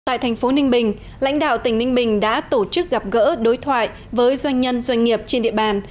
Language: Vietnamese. tại thành phố ninh bình lãnh đạo tỉnh ninh bình đã tổ chức gặp gỡ đối thoại với doanh nhân doanh nghiệp trên địa bàn